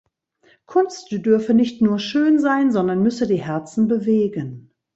Kunst dürfe nicht nur schön sein, sondern müsse die Herzen bewegen.